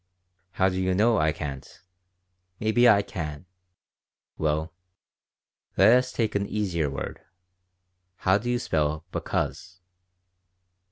"How do you know I can't? Maybe I can. Well, let us take an easier word. How do you spell 'because'?"